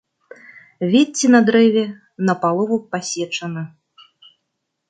Вецце на дрэве напалову пасечана.